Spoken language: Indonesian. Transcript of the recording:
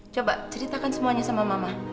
coba ceritakan semuanya sama mama